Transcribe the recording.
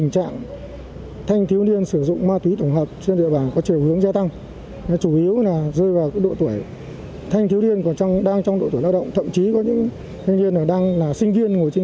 các đối tượng khai nhận đã sử dụng ma túy do một đối tượng chú tệ xã hướng thắng tp thái nguyên